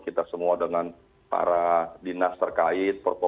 kita semua dengan para dinas terkait